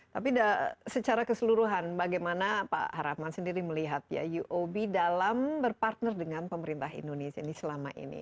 tapi secara keseluruhan bagaimana pak haraman sendiri melihat ya uob dalam berpartner dengan pemerintah indonesia ini selama ini